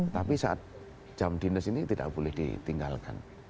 tapi saat jam dinas ini tidak boleh ditinggalkan